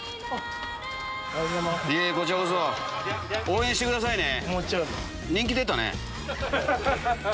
応援してくださいね。